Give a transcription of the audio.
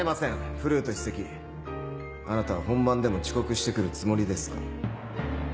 フルート首席あなたは本番でも遅刻してくるつもりですか？